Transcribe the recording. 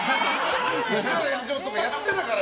「吉原炎上」とかやってたから。